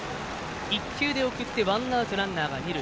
１球で送ってワンアウトランナー、二塁。